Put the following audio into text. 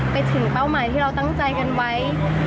ไปถึงเป้าหมายที่เราตั้งใจกันไว้